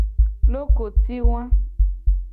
Lokoti wa.